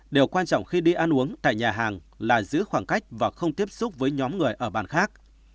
điều quan trọng khi đi ăn uống tại nhà hàng là giữ khoảng cách và không tiếp xúc với nhóm người ở bàn khác